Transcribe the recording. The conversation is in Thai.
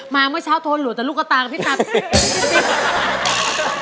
มาเมื่อเช้าโทนหลวงแต่ลูกตากับพี่สัตว์